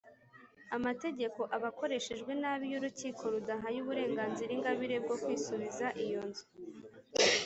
amategeko aba akoreshejwe nabi iyo urukiko rudahaye uburenganzira ingabire bwo kwisubiza iyo inzu.